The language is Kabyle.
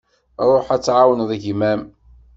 Ruḥ ad tɛawneḍ gma-m.